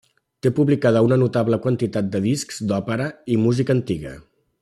Té publicada una notable quantitat de discs d'òpera i música antiga.